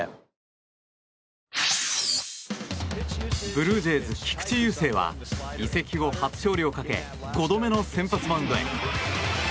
ブルージェイズ、菊池雄星は移籍後初勝利をかけ５度目の先発マウンドへ。